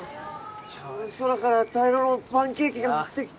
空から大量のパンケーキが降ってきた。